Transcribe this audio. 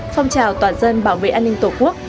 phong trào toàn dân bảo vệ an ninh tổ quốc